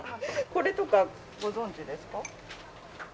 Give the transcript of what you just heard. これとかご存じですか？